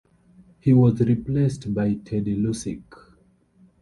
He was replaced by Teddy Lucic.